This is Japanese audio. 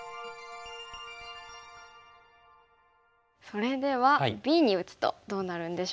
それではＢに打つとどうなるんでしょうか。